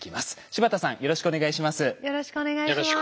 柴田さんよろしくお願いします。